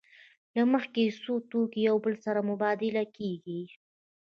له مخې یې څو توکي یو له بل سره مبادله کېږي